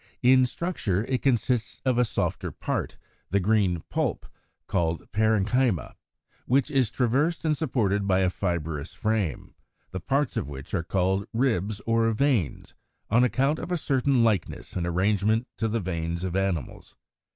In structure it consists of a softer part, the green pulp, called parenchyma, which is traversed and supported by a fibrous frame, the parts of which are called ribs or veins, on account of a certain likeness in arrangement to the veins of animals.